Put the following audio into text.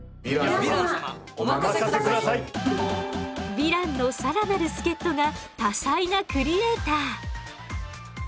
ヴィランの更なる助っとが多才なクリエーター。